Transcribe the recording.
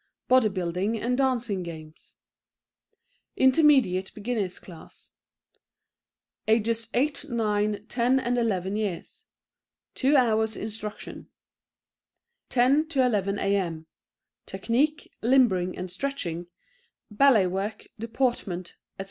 Body Building and Dancing Games. Intermediate Beginners' Class (Ages 8, 9, 10 and 11 years) 2 hours instruction. 10 to 11 A.M. {Technique, Limbering and Stretching {Ballet Work, Deportment, Etc.